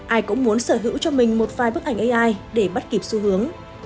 ai cũng muốn sở hữu cho mình một vài bức ảnh ai để bắt kịp xu hướng